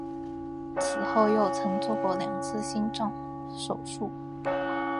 此后又曾做过两次心脏手术。